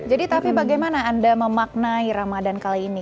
jadi taffy bagaimana anda memaknai ramadhan kali ini